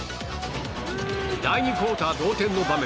第２クオーター、同点の場面